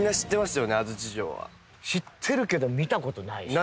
知ってるけど見た事ないしね。